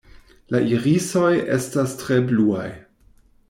La irisoj estas tre bluaj.